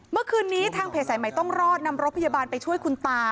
เมื่อคืนนี้ทางเพจสายใหม่ต้องรอดนำรถพยาบาลไปช่วยคุณตา